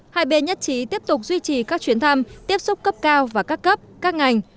hai bên nhất trí tiếp tục duy trì các chuyến thăm tiếp xúc cấp cao và các cấp các ngành